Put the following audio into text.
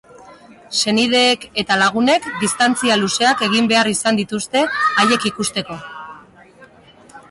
Senideek eta lagunek distantzia luzeak egin behar izaten dituzte haiek ikusteko.